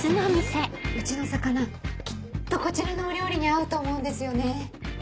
うちの魚きっとこちらのお料理に合うと思うんですよね。